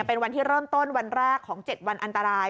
เป็นวันที่เริ่มต้นวันแรกของ๗วันอันตราย